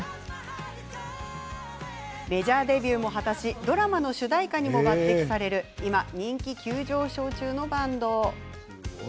メジャーデビューも果たしドラマの主題歌にも抜てきされる今、人気急上昇中のバンドなんです。